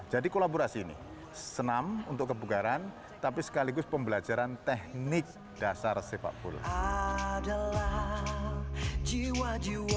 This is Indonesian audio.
jadi kolaborasi ini senam untuk kebugaran tapi sekaligus pembelajaran teknik dasar sepak bola